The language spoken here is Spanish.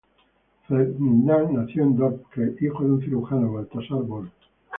Ferdinand nació en Dordrecht hijo de un cirujano, Balthasar Bol.